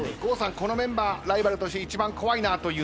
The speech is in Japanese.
このメンバーライバルとして一番怖いなというのは？